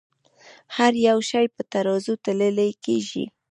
هر يو شے پۀ ترازو تللے کيږې